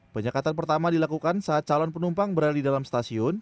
penyekatan pertama dilakukan saat calon penumpang berada di dalam stasiun